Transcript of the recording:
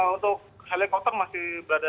untuk helikopter masih berlangsung